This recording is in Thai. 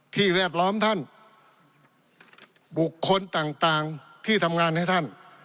แวดล้อมท่านบุคคลต่างที่ทำงานให้ท่าน